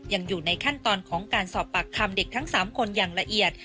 ยังอยู่ในขั้นตอนของการสอบปากคำเด็กทั้ง๓คนอย่างละเอียด